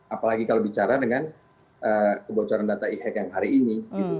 apalagi kalau bicara dengan kebocoran data e hack yang hari ini